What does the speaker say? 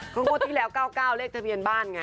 เพราะพูดที่แล้ว๙๙เลขเทะเพลียนบ้านไง